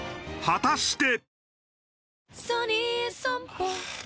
果たして。